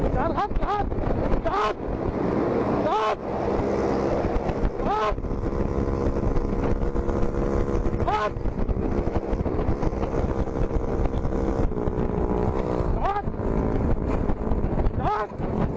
ลุกลุกลุกลุก